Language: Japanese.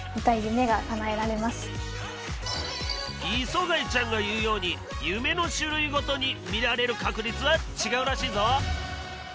磯貝ちゃんが言うように夢の種類ごとに見られる確率は違うらしいぞ。